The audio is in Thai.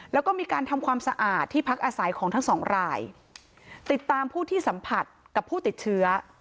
แล้วก็มีการทำความสะอาดที่พักอาศัยของทั้งสองรายติดตามผู้ที่สัมผัสกับผู้ติดเชื้อ